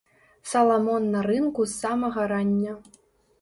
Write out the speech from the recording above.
Саламон на рынку з самага рання.